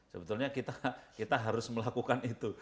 sebetulnya kita harus melakukan itu